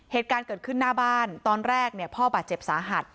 เหตุการณ์เกิดขึ้นหน้าบ้านตอนแรกเนี่ยพ่อบาดเจ็บสาหัส